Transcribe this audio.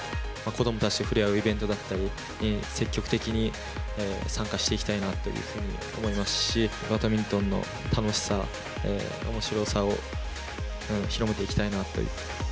子どもたちと触れ合うイベントだったりに積極的に参加していきたいなというふうに思いますし、バドミントンの楽しさ、おもしろさを広めていきたいなという。